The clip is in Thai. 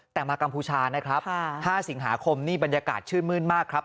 แต่มากัมพูชานะครับ๕สิงหาคมนี่บรรยากาศชื่นมื้นมากครับ